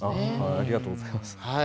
ありがとうございます。